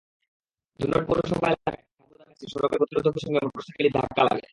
ধুনট পৌরসভা এলাকায় খাদ্যগুদামের কাছে সড়কের গতিরোধকের সঙ্গে মোটরসাইকেলটি ধাক্কা লাগে।